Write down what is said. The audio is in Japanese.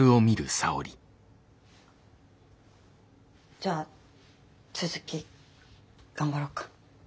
じゃあ続き頑張ろっか。